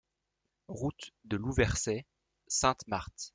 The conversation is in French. Route de Louversey, Sainte-Marthe